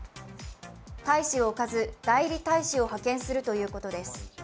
大使を置かず代理大使を派遣するということです。